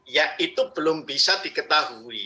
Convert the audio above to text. ya itu belum bisa diketahui